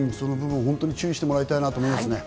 本当に注意してもらいたいと思います。